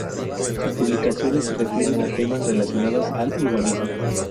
Sus publicaciones se refieren a temas relacionados al urbanismo.